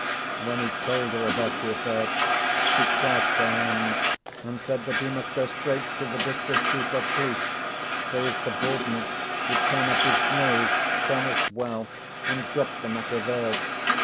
When he told her about the affair, she clasped her hands, and said that he must go straight to the district chief of police, for his subordinate would turn up his nose, promise well, and drop the matter there.